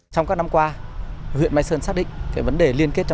trong các năm qua huyện mai sơn xác định cái vấn đề liên kết